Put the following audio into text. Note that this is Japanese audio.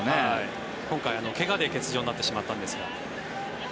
今回怪我で欠場になってしまったんですが。